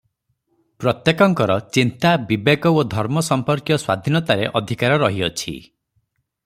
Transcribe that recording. ପ୍ରତ୍ୟେକଙ୍କର ଚିନ୍ତା, ବିବେକ ଓ ଧର୍ମ ସମ୍ପର୍କୀୟ ସ୍ୱାଧୀନତାରେ ଅଧିକାର ରହିଅଛି ।